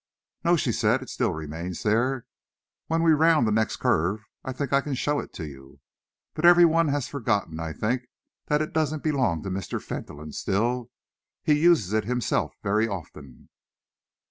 "No," she said, "it still remains there. When we are round the next curve, I think I can show it to you. But every one has forgotten, I think, that it doesn't belong to Mr. Fentolin still. He uses it himself very often."